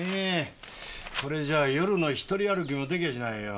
これじゃ夜の１人歩きもできやしないよ